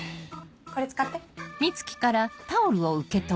これ使って。